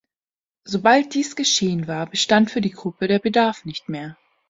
Sobald dies geschehen war, bestand für die Gruppe der Bedarf nicht mehr.